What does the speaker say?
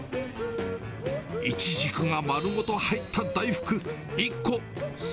イチジクが丸ごと入った大福。